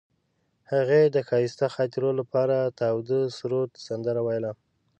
هغې د ښایسته خاطرو لپاره د تاوده سرود سندره ویله.